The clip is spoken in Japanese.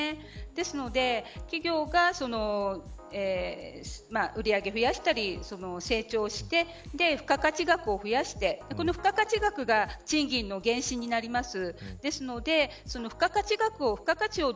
ですので、企業が売り上げを増やしたり、成長して付加価値額を増やして付加価値が賃金の原資になります。